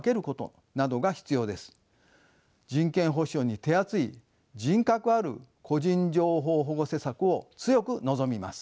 人権保障に手厚い品格ある個人情報保護施策を強く望みます。